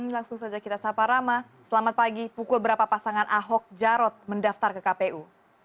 langsung saja kita sapa rama selamat pagi pukul berapa pasangan ahok jarot mendaftar ke kpu